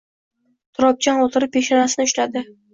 Turobjon oʻtirib peshonasini ushladi.